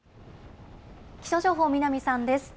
気象情報、南さんです。